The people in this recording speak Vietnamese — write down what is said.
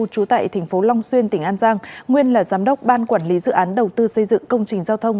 trú tại thành phố long xuyên tỉnh an giang nguyên là giám đốc ban quản lý dự án đầu tư xây dựng công trình giao thông